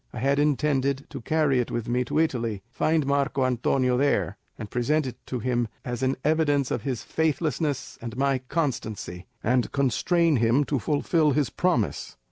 I had intended to carry it with me to Italy, find Marco Antonio there, and present it to him as an evidence of his faithlessness and my constancy, and constrain him to fulfil his promise.